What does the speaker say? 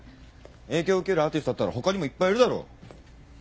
影響受けるアーティストだったら他にもいっぱいいるだろ。